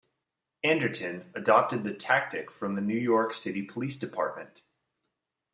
Anderton adopted the tactic from the New York City Police Department.